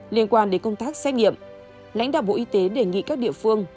liên quan đến công tác xét nghiệm lãnh đạo bộ y tế đề nghị các địa phương